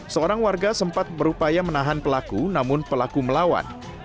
seorang warga sempat berupaya menahan pelaku namun pelaku melawan